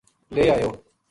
لے آیو